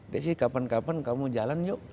gak sih kapan kapan kamu jalan yuk